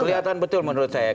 kelihatan betul menurut saya